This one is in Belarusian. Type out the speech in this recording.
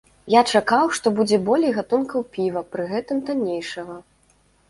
Я чакаў, што будзе болей гатункаў піва, пры гэтым танейшага.